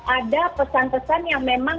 ada pesan pesan yang memang